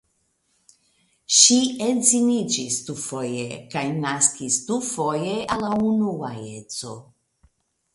Ŝi edziniĝis dufoje kaj naskis dufoje al la unua edzo.